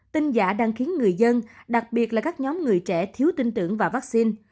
tin giả đang khiến người dân đặc biệt là các nhóm người trẻ thiếu tin tưởng vào vaccine